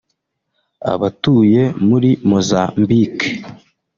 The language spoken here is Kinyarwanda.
abatuye muri Mozambique